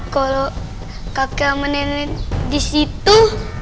kalau kakek sama nenek disitu